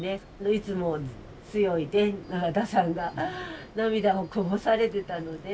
いつも強い永田さんが涙をこぼされてたので。